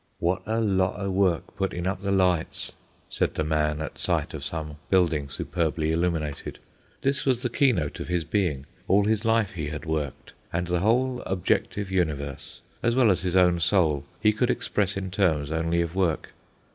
"Wot a lot o' work puttin' up the lights," said the man at sight of some building superbly illuminated. This was the keynote of his being. All his life he had worked, and the whole objective universe, as well as his own soul, he could express in terms only of work.